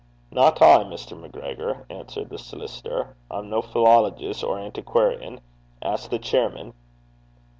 'Not I, Mr. MacGregor,' answered the solicitor. 'I'm no philologist or antiquarian. Ask the chairman.'